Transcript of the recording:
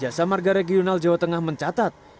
jasa marga regional jawa tengah mencatat